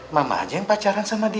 mama aja yang pacaran sama dia